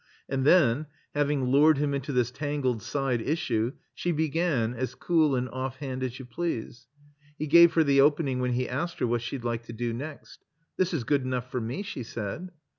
And then, having lured him into this tangled side issue, she began, as cool and offhand as you please. He gave her the opening when he asked her what she'd like to do next. ''This is good enough for me," she said.